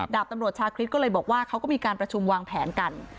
ดาบตำรวจชาคริสก็เลยบอกว่าเขาก็มีการประชุมวางแผนกัน